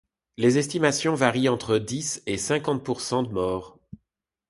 Les estimations varient entre dix et cinquante pour cent de morts.